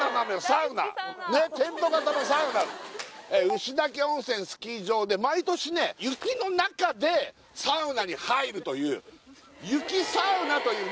牛岳温泉スキー場で毎年ね雪の中でサウナに入るという雪サウナというね